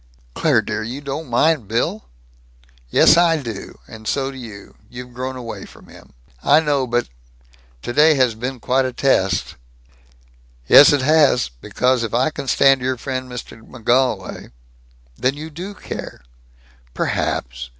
"Claire! Dear! You don't mind Bill?" "Yes. I do. And so do you. You've grown away from him." "I don't know but Today has been quite a test." "Yes. It has. Because if I can stand your friend Mr. McGolwey " "Then you do care!" "Perhaps.